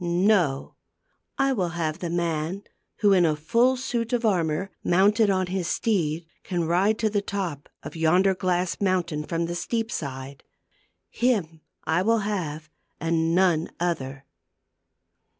No ; I will have the man who, in a full suit of armor, mounted on his steed, can ride to the top of yonder glass mountain from the steep side. Him will I have, and none other."